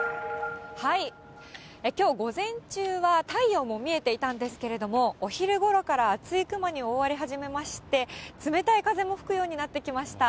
きょう午前中は、太陽も見えていたんですけれども、お昼ごろから厚い雲に覆われ始めまして、冷たい風も吹くようになってきました。